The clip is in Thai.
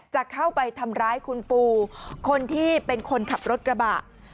จะเข้าไปทำร้ายคุณปูคนที่เป็นคนขับรถกระบะ